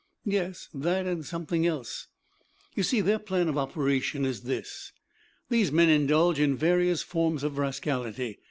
"Yes, that and something else. You see their plan of operation is this. These men indulge in various forms of rascality.